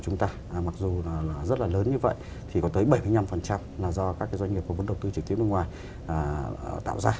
chúng ta mặc dù là rất là lớn như vậy thì có tới bảy mươi năm là do các cái doanh nghiệp của wto trực tiếp nước ngoài tạo ra